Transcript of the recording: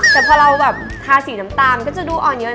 แต่พอเราแบบทาสีน้ำตาลมันก็จะดูอ่อนเยอะ